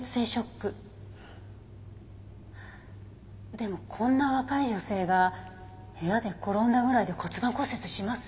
でもこんな若い女性が部屋で転んだぐらいで骨盤骨折します？